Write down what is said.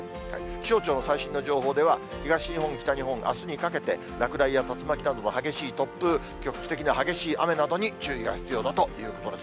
気象庁の最新の情報では、東日本、北日本、あすにかけて、落雷や竜巻などの激しい突風、局地的な激しい雨などに注意が必要だということです。